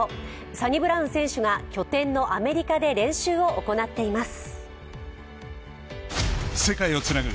サニブラウン選手が拠点のアメリカで練習を行っています。